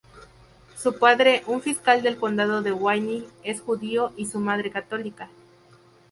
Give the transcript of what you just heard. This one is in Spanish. Su padre, un fiscal del condado de Wayne, es judío y su madre católica.